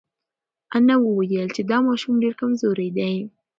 انا وویل چې دا ماشوم ډېر کمزوری دی.